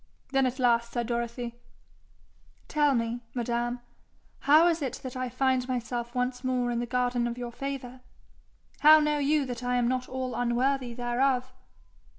Then at last said Dorothy: 'Tell me, madam, how is it that I find myself once more in the garden of your favour? How know you that I am not all unworthy thereof?'